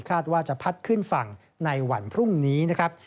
ว่าจะพัดขึ้นฝั่งในวันพรุ่งนี้นะครับ